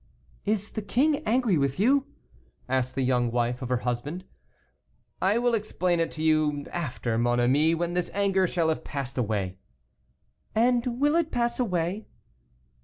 "Is the king angry with you?" asked the young wife of her husband. "I will explain it to you after, mon amie, when this anger shall have passed away." "And will it pass away?"